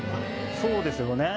そうですよね。